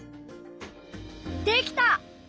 できた！